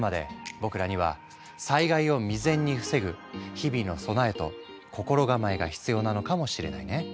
僕らには災害を未然に防ぐ日々の備えと心構えが必要なのかもしれないね。